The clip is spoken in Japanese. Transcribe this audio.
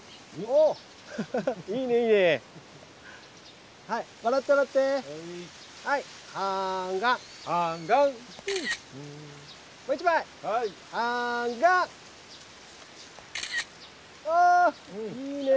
おいいね！